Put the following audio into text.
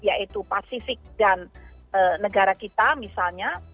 yaitu pasifik dan negara kita misalnya